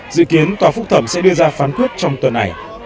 dự kiến tòa phúc thẩm sẽ đưa ra phán quyết trong tuần này